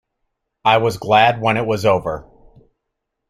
I was glad when it was over.